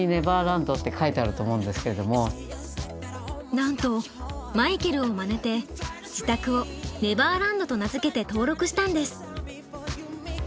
なんとマイケルをまねて自宅をネバーランドと名付けて登録したんです。